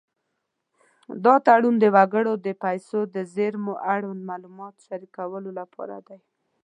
دا تړون د وګړو د پیسو د زېرمو اړوند معلومات شریکولو لپاره دی.